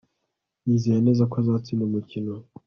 Yizeye neza ko azatsinda umukino